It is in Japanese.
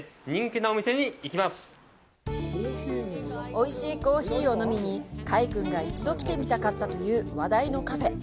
おいしいコーヒーを飲みに快くんが一度来てみたかったという話題のカフェ。